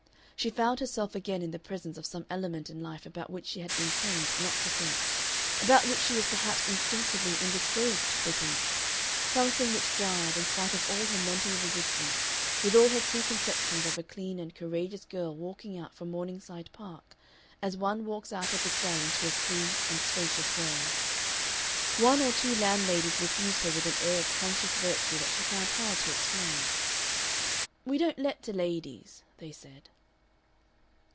She found herself again in the presence of some element in life about which she had been trained not to think, about which she was perhaps instinctively indisposed to think; something which jarred, in spite of all her mental resistance, with all her preconceptions of a clean and courageous girl walking out from Morningside Park as one walks out of a cell into a free and spacious world. One or two landladies refused her with an air of conscious virtue that she found hard to explain. "We don't let to ladies," they said.